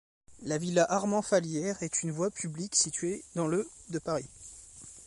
La villa Armand-Fallières est une voie publique située dans le de Paris.